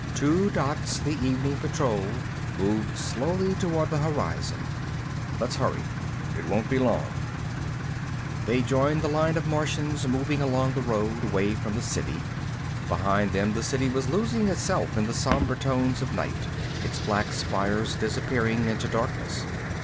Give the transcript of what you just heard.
Two dots, the evening patrol, moved slowly toward the horizon. "Let's hurry. It won't be long." They joined the line of Martians moving along the road, away from the City. Behind them the City was losing itself in the sombre tones of night, its black spires disappearing into darkness.